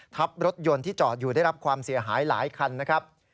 ทับรถยนต์ที่จอดอยู่ได้รับความเสียหายหลายคันนะครับ